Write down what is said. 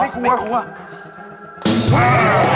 กั้นหายใจไว้